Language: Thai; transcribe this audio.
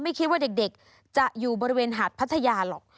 ไม่คิดว่าเด็กจะอยู่บริเวณหาดพัทยาหรอก